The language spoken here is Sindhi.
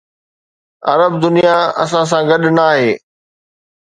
عرب دنيا اسان سان گڏ ناهي.